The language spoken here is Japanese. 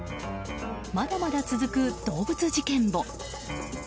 まだまだ続く動物事件簿。